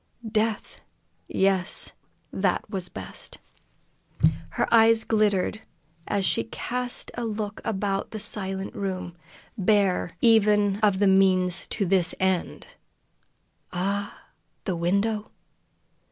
Death yes, that was best. Her eyes glittered as she cast a look about the silent room. Bare, even of the means to this end! Ah, the window!